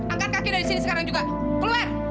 angkat kaki dari sini sekarang juga keluar